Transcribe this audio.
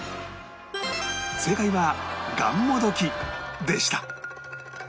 正解はがんもどきでした